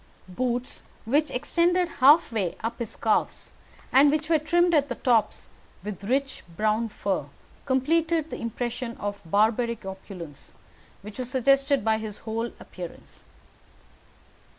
Boots which extended halfway up his calves, and which were trimmed at the tops with rich brown fur, completed the impression of barbaric opulence which was suggested by his whole appearance.